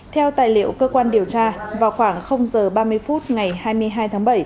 theo tài liệu cơ quan điều tra vào khoảng h ba mươi phút ngày hai mươi hai tháng bảy